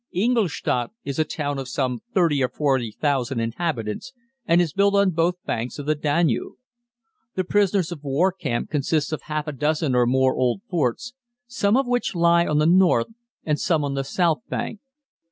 Ingolstadt is a town of some 30,000 or 40,000 inhabitants and is built on both banks of the Danube. The prisoners of war camp consists of half a dozen or more old forts, some of which lie on the north and some on the south bank.